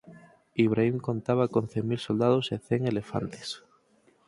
Ibrahim contaba con cen mil soldados e cen elefantes.